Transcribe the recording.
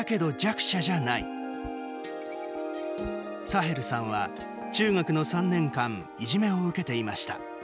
サヘルさんは、中学の３年間いじめを受けていました。